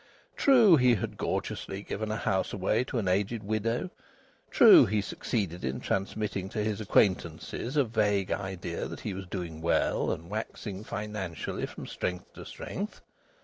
True, he had gorgeously given a house away to an aged widow! True, he succeeded in transmitting to his acquaintances a vague idea that he was doing well and waxing financially from strength to strength!